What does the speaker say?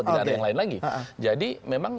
tidak ada yang lain lagi jadi memang